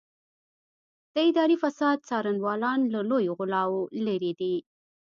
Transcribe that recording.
د اداري فساد څارنوالان له لویو غلاوو لېرې دي.